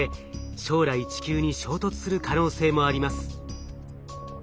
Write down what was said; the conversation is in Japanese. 将来地球に衝突する可能性もあります。